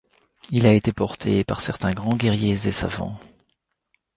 Il a été porté par certains grands guerriers et savants.